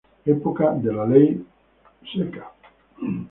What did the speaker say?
Época de la Ley Seca.